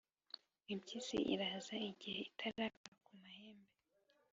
impyisi iraza, igihe itarakora ku mahembe,